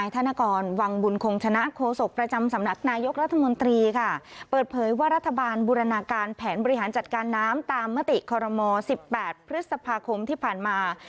ตามมติคม๑๘พฤษภาคมที่ผ่านมา